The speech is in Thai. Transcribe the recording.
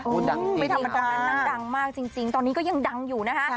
อู้วดังจริงตอนนั้นน่ะดังมากจริงตอนนี้ก็ยังดังอยู่นะฮะ